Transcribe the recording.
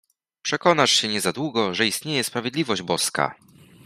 Przekonasz się niezadługo, że istnieje sprawiedliwość boska!